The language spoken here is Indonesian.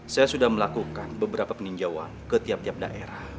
saya sudah melakukan beberapa peninjauan ke tiap tiap daerah